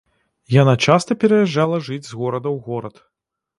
Яна часта пераязджала жыць з горада ў горад.